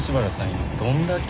今「どんだけ？」